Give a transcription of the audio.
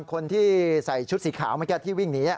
คนที่ใส่ชุดสีขาวที่วิ่งหนี